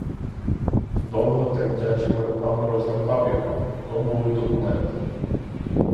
Довго тремтячими руками розгортав його — то були документи.